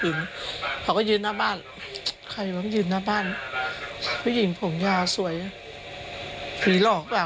เลยก็เลยนี่หรอ